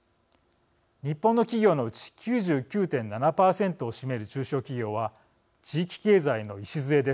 日本の企業のうち９９．７％を占める中小企業は地域経済の礎です。